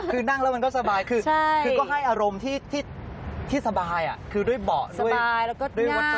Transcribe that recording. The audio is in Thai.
คือนั่งแล้วมันก็สบายคือก็ให้อารมณ์ที่สบายคือด้วยเบาะด้วยวัฒน